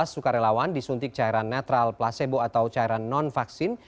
lima belas sukarelawan disuntik cairan netral placebo atau cairan non vaksin